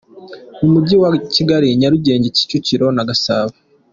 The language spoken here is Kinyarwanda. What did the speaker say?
Mu mujyi wa Kigali: Nyarugenge, Kicukiro na Gasabo .